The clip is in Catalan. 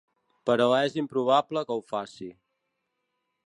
Però és improbable que ho faci.